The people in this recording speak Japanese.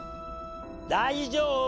大丈夫！